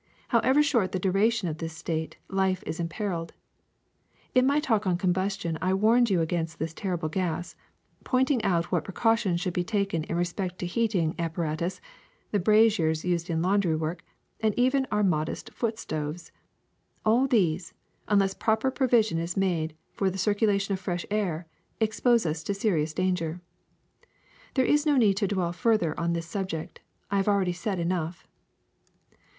However short the duration of this state, life is im perilled. In my talk on combustion I warned you against this terrible gas, pointing out what precau tions should be taken in respect to heating apparatus, the braziers used in laundry work, and even our modest foot stoves. All these, unless proper provi sion is made for the circulation of fresh air, expose us to serious danger. There is no need to dwell further on this subject; I have already said enough.